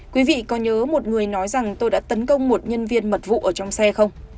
quý vị có nhớ một người nói rằng tôi đã tấn công một nhân viên mật vụ ở trong xe không